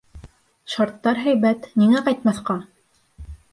Шарттар һәйбәт, ниңә ҡайтмаҫҡа?!